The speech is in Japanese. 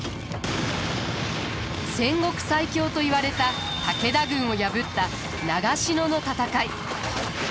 戦国最強といわれた武田軍を破った長篠の戦い。